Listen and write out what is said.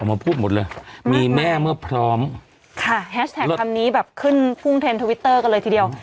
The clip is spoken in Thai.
ออกมาพูดหมดเลยมีแม่เมื่อพร้อมค่ะคำนี้แบบขึ้นทวิตเตอร์กันเลยทีเดียว